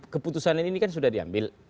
keputusan ini kan sudah diambil